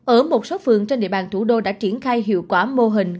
ở một số phường trên địa bàn thủ đô đã triển khai hiệu quả mô hình